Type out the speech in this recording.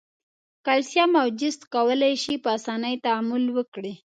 کلسیم او جست کولای شي په آساني تعامل وکړي.